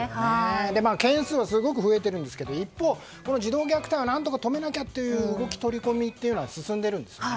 件数はすごく増えているんですが一方、この児童虐待を何とか止めなきゃという動きが進んでいるんですよね。